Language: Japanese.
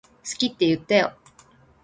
好きって言ってよ